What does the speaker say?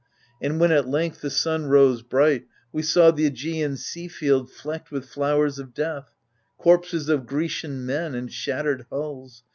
And when at length the sun rose bright, we saw Th' iCgaean sea field flecked with flowers of death. Corpses of Grecian men and shattered hulls.